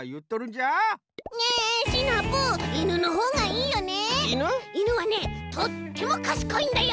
いぬはねとってもかしこいんだよ。